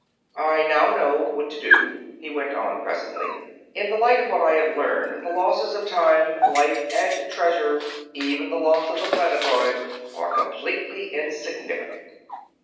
"I now know what to do," he went on presently. "In the light of what I have learned, the losses of time, life, and treasure even the loss of the planetoid are completely insignificant."